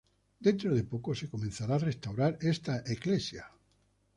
Dentro de poco se comenzará a restaurar esta iglesia.